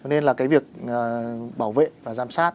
nên là cái việc bảo vệ và giám sát